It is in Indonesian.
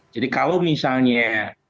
jadi kalau misalnya